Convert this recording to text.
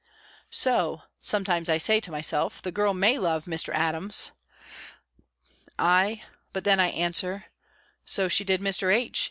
"So," sometimes I say to myself, "the girl may love Mr. Adams." "Ay," but then I answer, "so she did Mr. H.